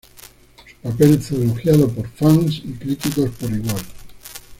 Su papel fue elogiado por fans y críticos por igual.